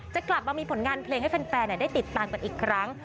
จะกลับมามีผลงานเพลงให้แฟนได้ติดตามกันอีกครั้ง